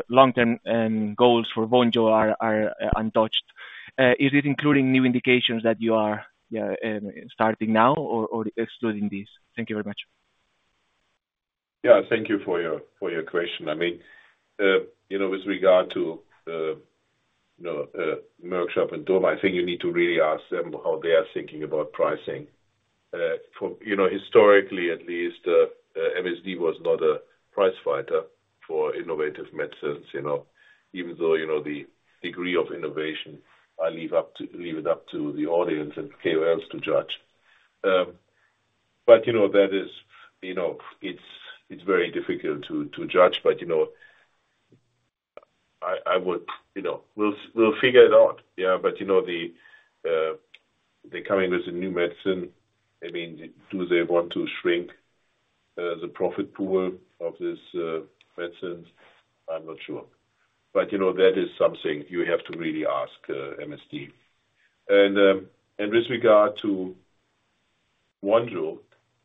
long-term goals for Vonjo are untouched. Is it including new indications that you are starting now or excluding these? Thank you very much.
Yeah, thank you for your question. I mean, you know, with regard to, you know, Merck Sharp and Dohme, I think you need to really ask them how they are thinking about pricing. For, you know, historically at least, MSD was not a price fighter for innovative medicines, you know, even though, you know, the degree of innovation, I leave it up to the audience and KOs to judge. But, you know, that is, you know, it's very difficult to judge, but, you know, I would, you know. We'll figure it out. Yeah, but, you know, they're coming with a new medicine. I mean, do they want to shrink the profit pool of this medicine? I'm not sure. But, you know, that is something you have to really ask MSD. With regard to Vonjo,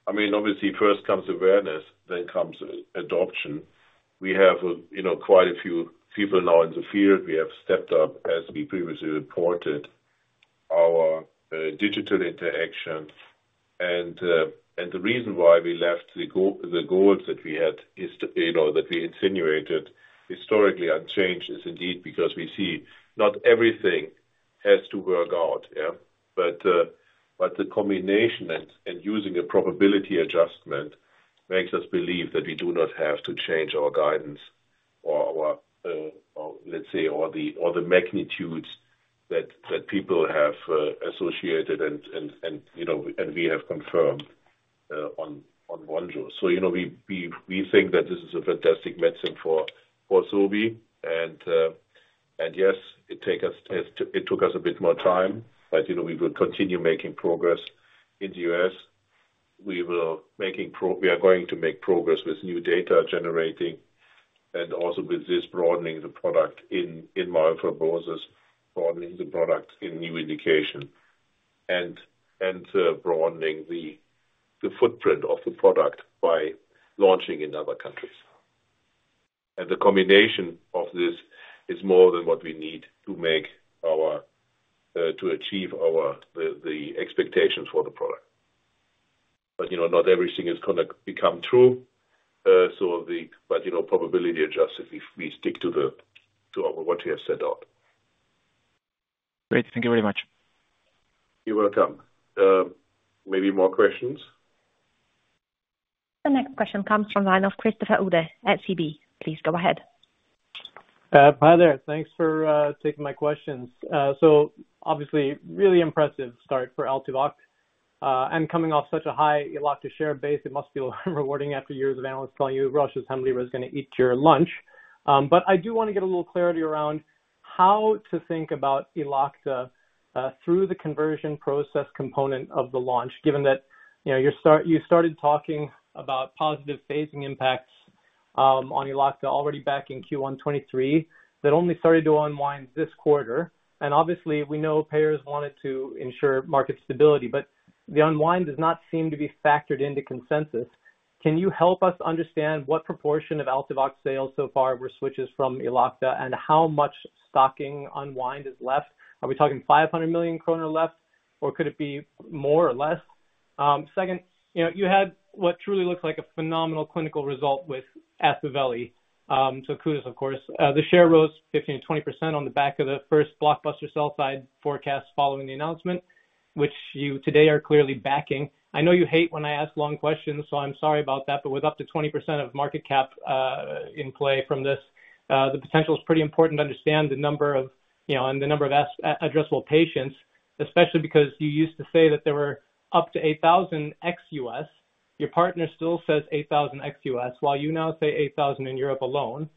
I mean, obviously, first comes awareness, then comes adoption. We have, you know, quite a few people now in the field. We have stepped up, as we previously reported, our digital interaction. And the reason why we left the goals that we had is to, you know, that we insinuated historically unchanged, is indeed because we see not everything has to work out, yeah. But the combination and using a probability adjustment makes us believe that we do not have to change our guidance or our, or let's say, or the magnitudes that people have associated and, you know, and we have confirmed on Vonjo. So, you know, we think that this is a fantastic medicine for Sobi. Yes, it took us a bit more time, but you know, we will continue making progress in the U.S. We are going to make progress with new data generating and also with this, broadening the product in myelofibrosis, broadening the product in new indication, and broadening the footprint of the product by launching in other countries. The combination of this is more than what we need to achieve our expectations for the product. You know, not everything is gonna become true. You know, probability adjusted, we stick to what we have set out.
Great. Thank you very much.
You're welcome. Maybe more questions?
The next question comes from the line of Christopher Uhde at SEB. Please go ahead.
Hi there. Thanks for taking my questions. So obviously, really impressive start for Altuviiio, and coming off such a high share base, it must feel rewarding after years of analysts telling you Roche's Hemlibra is gonna eat your lunch. But I do want to get a little clarity around how to think about Elocta through the conversion process component of the launch, given that, you know, you started talking about positive phasing impacts on Elocta already back in Q1 2023, that only started to unwind this quarter. Obviously, we know payers wanted to ensure market stability, but the unwind does not seem to be factored into consensus. Can you help us understand what proportion of Altuviiio sales so far were switches from Elocta, and how much stocking unwind is left? Are we talking 500 million kronor left, or could it be more or less? Second, you know, you had what truly looks like a phenomenal clinical result with Aspaveli. So kudos, of course. The share rose 15%-20% on the back of the first blockbuster sell-side forecast following the announcement, which you today are clearly backing. I know you hate when I ask long questions, so I'm sorry about that, but with up to 20% of market cap in play from this, the potential is pretty important to understand the number of, you know, and the number of addressable patients, especially because you used to say that there were up to 8,000 ex-U.S. Your partner still says 8,000 ex-U.S., while you now say 8,000 in Europe alone.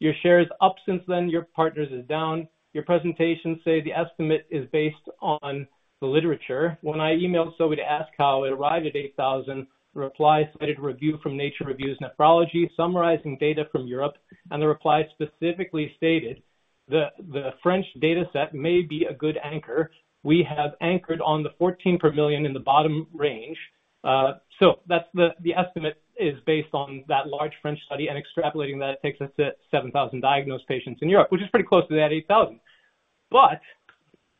Your share is up since then. Your partners is down. Your presentations say the estimate is based on the literature. When I emailed Sobi to ask how it arrived at 8,000, the reply cited a review from Nature Reviews Nephrology, summarizing data from Europe, and the reply specifically stated that the French data set may be a good anchor. We have anchored on the 14 per million in the bottom range, so that's the estimate is based on that large French study, and extrapolating that takes us to 7,000 diagnosed patients in Europe, which is pretty close to that 8,000, but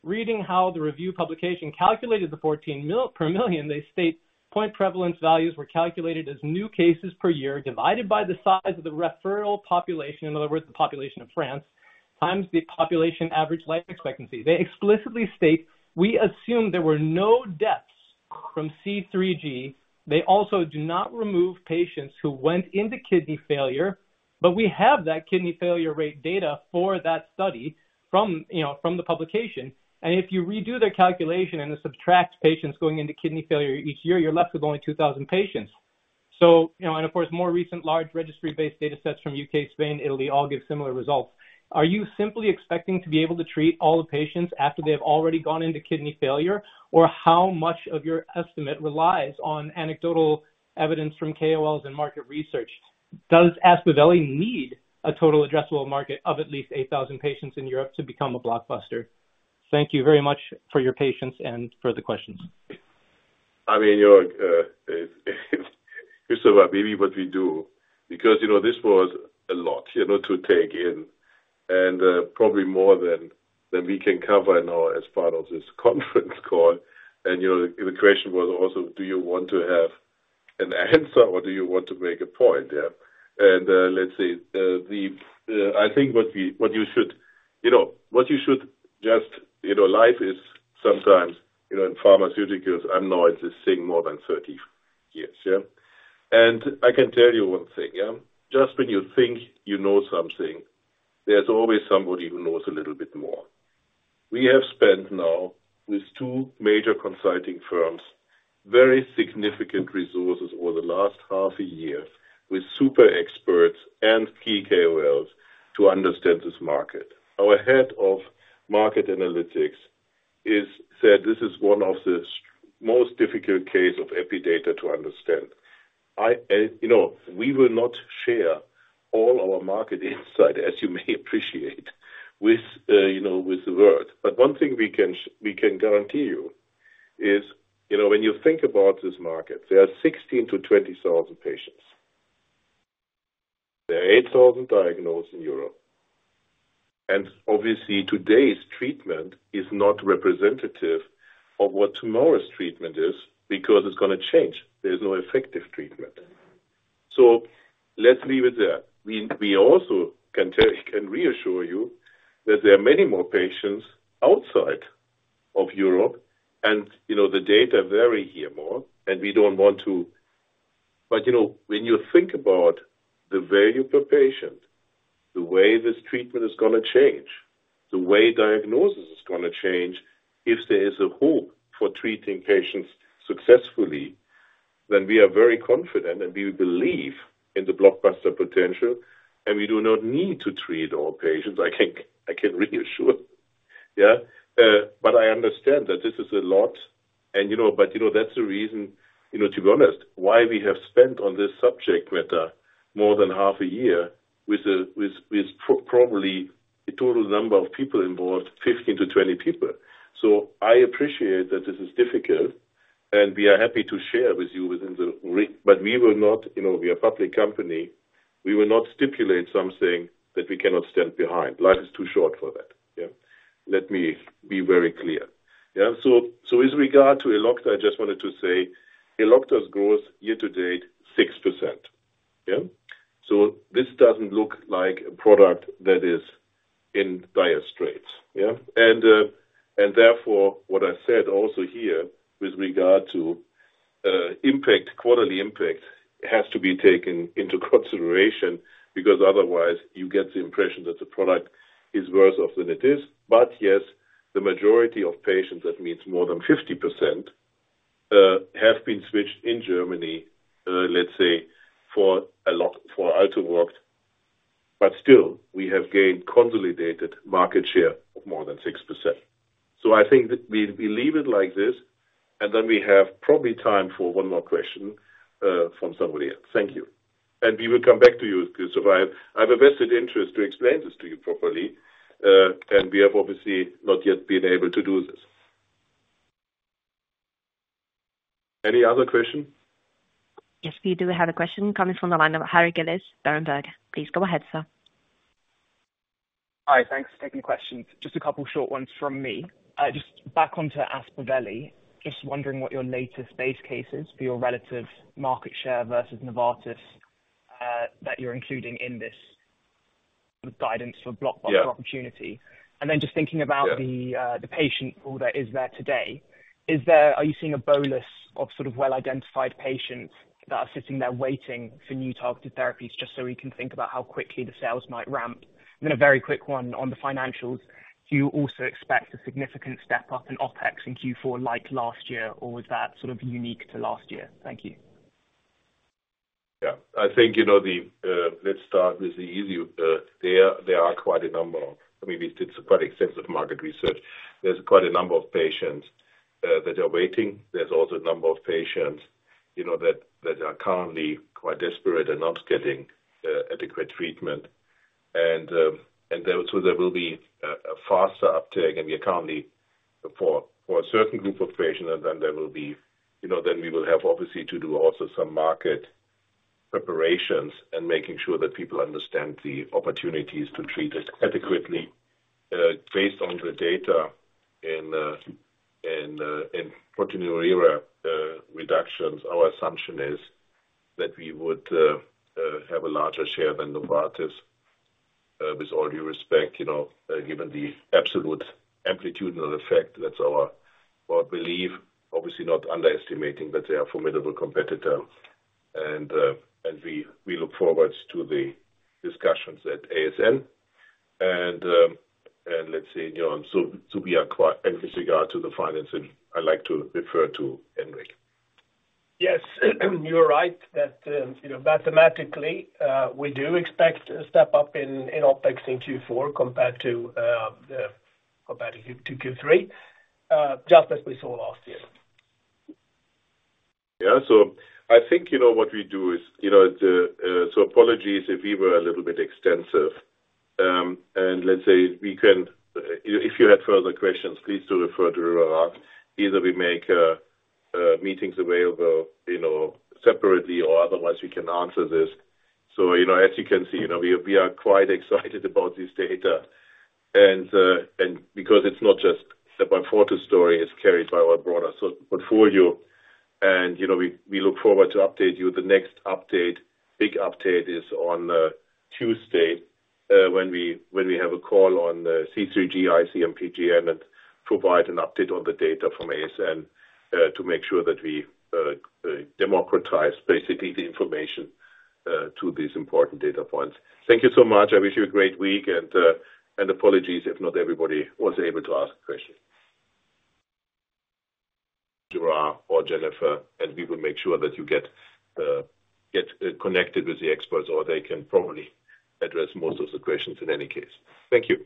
reading how the review publication calculated the 14 per million, they state: point prevalence values were calculated as new cases per year, divided by the size of the referral population, in other words, the population of France, times the population average life expectancy. They explicitly state, "We assume there were no deaths.... from C3G. They also do not remove patients who went into kidney failure, but we have that kidney failure rate data for that study from, you know, from the publication. And if you redo their calculation and it subtracts patients going into kidney failure each year, you're left with only two thousand patients. So, you know, and of course, more recent large registry-based data sets from U.K., Spain, Italy, all give similar results. Are you simply expecting to be able to treat all the patients after they've already gone into kidney failure? Or how much of your estimate relies on anecdotal evidence from KOLs and market research? Does Aspaveli need a total addressable market of at least eight thousand patients in Europe to become a blockbuster? Thank you very much for your patience and for the questions.
I mean, you're so maybe what we do, because, you know, this was a lot, you know, to take in, and probably more than we can cover now as part of this conference call. You know, the question was also, do you want to have an answer or do you want to make a point, yeah? Let's say, I think what you should, you know, what you should just, you know, life is sometimes, you know, in pharmaceuticals. I'm now in this thing more than 30 years, yeah? I can tell you one thing, yeah. Just when you think you know something, there's always somebody who knows a little bit more. We have spent now, with two major consulting firms, very significant resources over the last half a year with super experts and key KOLs to understand this market. Our head of market analytics is, said this is one of the most difficult case of epi data to understand. I, you know, we will not share all our market insight, as you may appreciate, with, you know, with the world. But one thing we can guarantee you is, you know, when you think about this market, there are sixteen to twenty thousand patients. There are eight thousand diagnosed in Europe, and obviously, today's treatment is not representative of what tomorrow's treatment is, because it's gonna change. There is no effective treatment. So let's leave it there. We also can reassure you that there are many more patients outside of Europe and, you know, the data vary here more, and we don't want to, but you know, when you think about the value per patient, the way this treatment is gonna change, the way diagnosis is gonna change, if there is a hope for treating patients successfully, then we are very confident and we believe in the blockbuster potential, and we do not need to treat all patients. I can reassure, yeah. But I understand that this is a lot and, you know, that's the reason, you know, to be honest, why we have spent on this subject matter more than half a year with probably a total number of people involved, 15-20 people. So I appreciate that this is difficult, and we are happy to share with you within reason, but we will not, you know, we are a public company, we will not stipulate something that we cannot stand behind. Life is too short for that, yeah. Let me be very clear, yeah? So, so with regard to Elocta, I just wanted to say, Elocta's growth year to date, 6%, yeah? So this doesn't look like a product that is in dire straits, yeah? And, and therefore, what I said also here with regard to, impact, quarterly impact, has to be taken into consideration, because otherwise you get the impression that the product is worse off than it is. But yes, the majority of patients, that means more than 50%, have been switched in Germany, let's say, for a lot, for Altuviiio. But still, we have gained consolidated market share of more than six%. So I think that we, we leave it like this, and then we have probably time for one more question from somebody else. Thank you. And we will come back to you, because I have a vested interest to explain this to you properly, and we have obviously not yet been able to do this. Any other questions?
Yes, we do have a question coming from the line of Harry Gillis, Berenberg. Please go ahead, sir.
Hi, thanks for taking the questions. Just a couple short ones from me. Just back onto Aspaveli, just wondering what your latest base case is for your relative market share versus Novartis, that you're including in this guidance for blockbuster opportunity?
Yeah.
And then, just thinking about...
Yeah...
the patient pool that is there today, are you seeing a bonus of sort of well-identified patients that are sitting there waiting for new targeted therapies, just so we can think about how quickly the sales might ramp? And then a very quick one on the financials: do you also expect a significant step up in OpEx in Q4, like last year, or was that sort of unique to last year? Thank you.
Yeah. I think, you know, the, let's start with the easy. There are quite a number of... I mean, we did quite extensive market research. There's quite a number of patients that are waiting. There's also a number of patients, you know, that are currently quite desperate and not getting adequate treatment. And then so there will be a faster uptake, and we are currently for a certain group of patients, and then there will be, you know, then we will have obviously to do also some market preparations and making sure that people understand the opportunities to treat it adequately, based on the data in proteinuria reductions. Our assumption is that we would have a larger share than Novartis with all due respect, you know, given the absolute amplitude of the effect. That's our belief. Obviously not underestimating, but they are formidable competitor. And we look forward to the discussions at ASN. And we are quite. With regard to the financing, I'd like to refer to Henrik.
Yes, you are right, that, you know, mathematically, we do expect a step up in OpEx in Q4 compared to Q3, just as we saw last year.
Yeah. So I think, you know, what we do is, you know, so apologies if we were a little bit extensive. And let's say, we can, if you have further questions, please do refer to Gerard. Either we make meetings available, you know, separately or otherwise, we can answer this. So, you know, as you can see, you know, we are quite excited about this data. And because it's not just step-by-step story, it's carried by our broader Sobi portfolio. And, you know, we look forward to update you. The next update, big update, is on Tuesday, when we have a call on C3G, IC-MPGN, and provide an update on the data from ASN, to make sure that we democratize basically the information to these important data points. Thank you so much. I wish you a great week, and apologies if not everybody was able to ask a question. Gerard or Jennifer, and we will make sure that you get connected with the experts, or they can probably address most of the questions in any case. Thank you.